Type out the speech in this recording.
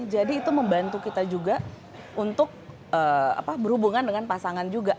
jadi itu membantu kita juga untuk berhubungan dengan pasangan juga